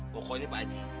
pokoknya pak haji